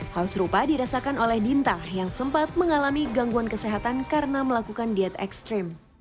hal serupa dirasakan oleh dinta yang sempat mengalami gangguan kesehatan karena melakukan diet ekstrim